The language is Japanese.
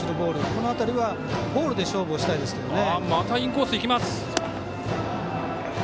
この辺りはボールで勝負をしたいですね。